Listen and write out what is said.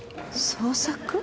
捜索？